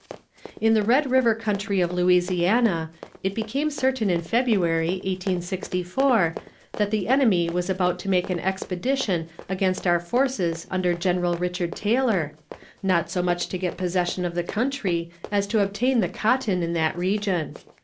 In the Red River country of Louisiana, it became certain in February, 1864, that the enemy was about to make an expedition against our forces under General Richard Taylor, not so much to get possession of the country as to obtain the cotton in that region.